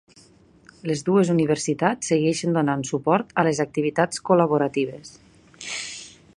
Les dues universitats segueixen donant suport a les activitats col·laboratives.